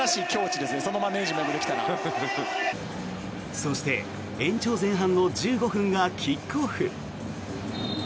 そして延長前半の１５分がキックオフ。